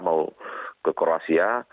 mau ke kruasia